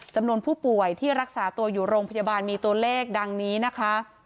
จำนวนผู้ป่วยที่รักษาตัวอยู่โรงพยาบาลมีตัวเลขดังนี้นะคะ